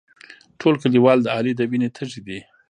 ټول کلیوال د علي د وینې تږي دي.